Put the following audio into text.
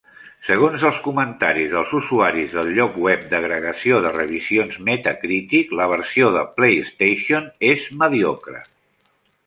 Segons els comentaris dels usuaris del lloc web d'agregació de revisions Metacritic, la versió de PlayStation és "mediocre".